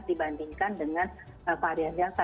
dibandingkan dengan varian delta